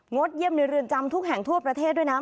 ดเยี่ยมในเรือนจำทุกแห่งทั่วประเทศด้วยนะ